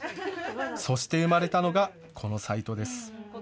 そして生まれたのがこのサイトです。